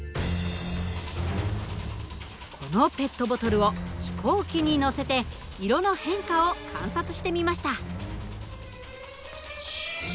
このペットボトルを飛行機に乗せて色の変化を観察してみました。